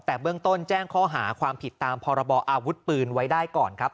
แต่เบื้องต้นแจ้งข้อหาความผิดตามพรบออาวุธปืนไว้ได้ก่อนครับ